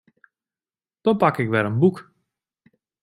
Dan pak ik wer in boek.